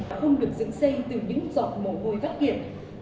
các phóng viên đã không được dựng xây từ những giọt mồ hôi phát hiểm